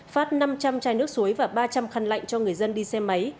phát năm trăm linh chai nước suối và ba trăm linh khăn lạnh cho người dân đi xe máy